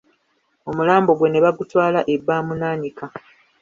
Omulambo gwe ne bagutwala e Baamunaanika